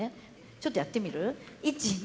ちょっとやってみる？